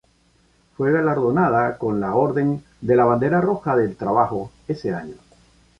Fue galardonada con la Orden de la Bandera Roja del Trabajo ese año.